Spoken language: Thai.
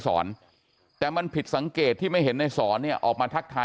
สอนแต่มันผิดสังเกตที่ไม่เห็นในสอนเนี่ยออกมาทักทาย